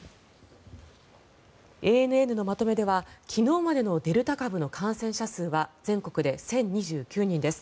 ＡＮＮのまとめでは昨日までのデルタ株の感染者は全国で１０２９人です。